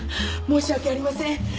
申し訳ありません。